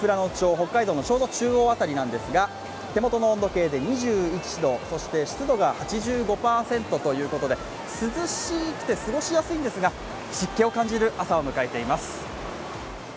北海道のちょうど中央辺りなんですが手元の温度計で２１度、そして湿度が８５％ということで涼しくて過ごしやすいんですが湿気を感じる朝を迎えています。